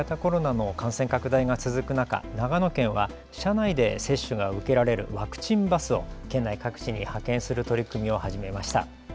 新型コロナの感染拡大が続く中、長野県は車内で接種が受けられるワクチンバスを県内各地に派遣する取り組みを始めました。